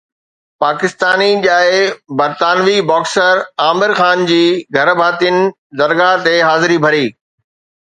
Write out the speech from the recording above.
پاڪستاني ڄائي برطانوي باڪسر عامر خان جي گهرڀاتين درگاهه تي حاضري ڀري